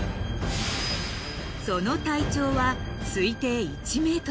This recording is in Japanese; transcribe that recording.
［その体長は推定１ｍ］